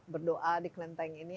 berdoa di kelenteng ini